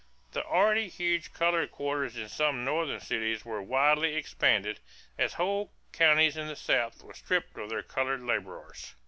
The already huge colored quarters in some Northern cities were widely expanded, as whole counties in the South were stripped of their colored laborers.